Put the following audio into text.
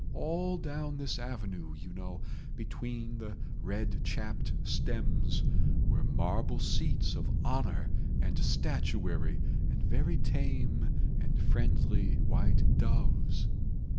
All down this avenue, you know, between the red chapped stems, were marble seats of honour and statuary, and very tame and friendly white doves